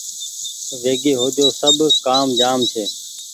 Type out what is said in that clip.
ويگي هو جو سب ڪآم جآم ڇي